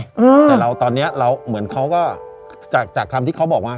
แต่เราตอนนี้เหมือนเขาก็จากคำที่เขาบอกมา